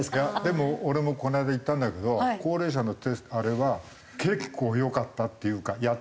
でも俺もこの間行ったんだけど高齢者のあれは結構よかったっていうかやってね。